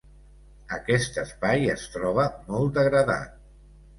Aquest espai es troba molt degradat.